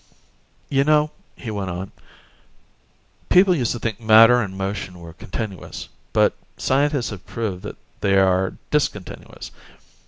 "You know," he went on, "people used to think matter and motion were continuous, but scientists have proved that they are discontinuous.